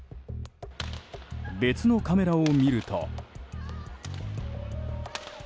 別のカメラを見ると。